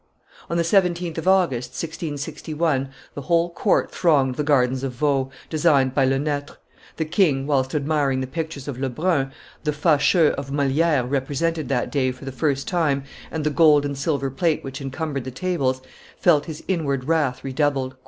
[Illustration: Colbert 405] On the 17th of August, 1661, the whole court thronged the gardens of Vaux, designed by Le Netre; the king, whilst admiring the pictures of Le Brun, the Facheux of Moliere represented that day for the first time, and the gold and silver plate which encumbered the tables, felt his inward wrath redoubled.